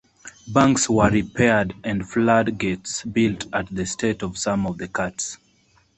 Banks were repaired and floodgates built at the start of some of the cuts.